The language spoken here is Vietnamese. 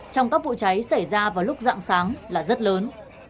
trong các vụ cháy xảy ra vào lúc dạng sáng là rất lớn